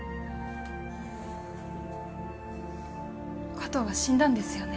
加藤は死んだんですよね？